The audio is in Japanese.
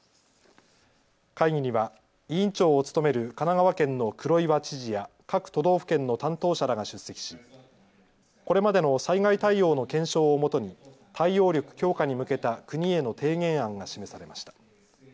会議には委員長を務める神奈川県の黒岩知事や各都道府県の担当者らが出席しこれまでの災害対応の検証をもとに対応力強化に向けた国への提言案が示されました。